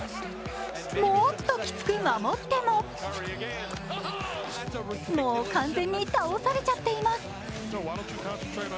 もっときつく守ってももう完全に倒されちゃっています。